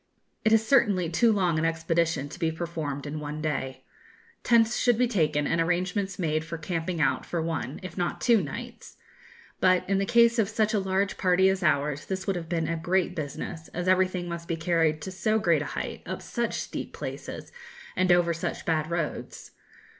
It is certainly too long an expedition to be performed in one day. Tents should be taken, and arrangements made for camping out for one, if not two, nights; but, in the case of such a large party as ours, this would have been a great business, as everything must be carried to so great a height, up such steep places, and over such bad roads.